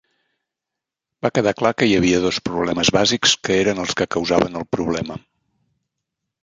Va quedar clar que hi havia dos problemes bàsics que eren els que causaven el problema.